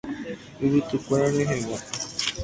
Yvytykuéra rehegua.